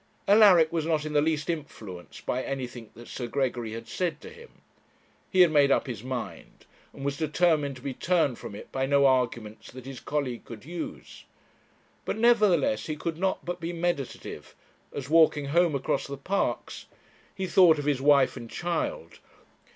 Alaric was not in the least influenced by anything that Sir Gregory had said to him; he had made up his mind, and was determined to be turned from it by no arguments that his colleague could use; but nevertheless he could not but be meditative, as, walking home across the Parks, he thought of his wife and child.